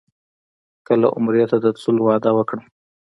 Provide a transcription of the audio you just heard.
کله عمرې ته د تللو وعده وکړم.